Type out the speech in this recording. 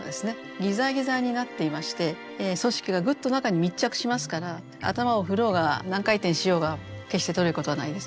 ギザギザになっていまして組織がグッと中に密着しますから頭を振ろうが何回転しようが決して取れることはないです。